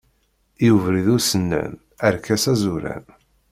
I ubrid usennan, arkas azuran.